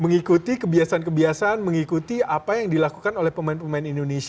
mengikuti kebiasaan kebiasaan mengikuti apa yang dilakukan oleh pemain pemain indonesia